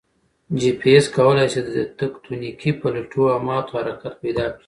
جي پي ایس کوای شي د تکوتنیکي پلیټو او ماتو حرکت پیدا کړي